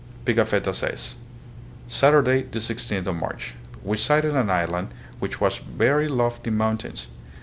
Pigafetta says: "Saturday, the 16th of March, we sighted an island which has very lofty moun tains.